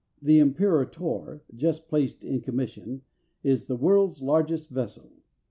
= The "Imperator," just placed in commission, is the world's largest vessel.